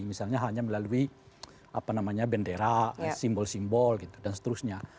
misalnya hanya melalui bendera simbol simbol dan seterusnya